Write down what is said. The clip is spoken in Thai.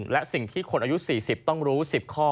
และสิ่งที่คนอายุ๔๐ต้องรู้๑๐ข้อ